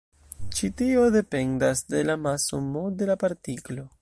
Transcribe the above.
Ĉi tio dependas de la maso "m" de la partiklo.